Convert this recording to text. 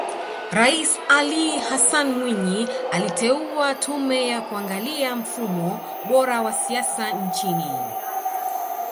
Rais Ali Hassan Mwinyi aliteua Tume ya kuangalia mfumo bora wa siasa nchini